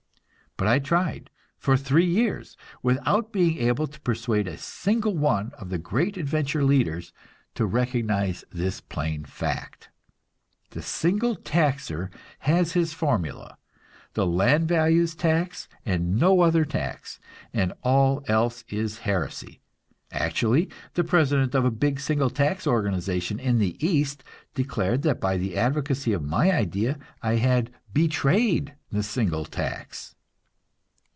But I tried for three years, without being able to persuade a single one of the "Great Adventure" leaders to recognize this plain fact. The single taxer has his formula, the land values tax and no other tax, and all else is heresy. Actually, the president of a big single tax organization in the East declared that by the advocacy of my idea I had "betrayed the single tax!"